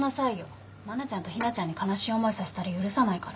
真菜ちゃんと陽菜ちゃんに悲しい思いさせたら許さないから。